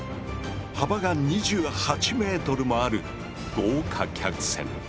幅が２８ｍもある豪華客船。